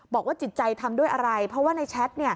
จิตใจทำด้วยอะไรเพราะว่าในแชท